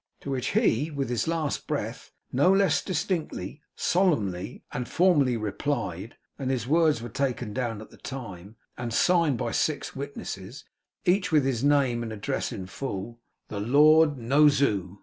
To which he, with his last breath, no less distinctly, solemnly, and formally replied: and his words were taken down at the time, and signed by six witnesses, each with his name and address in full: 'The Lord No Zoo.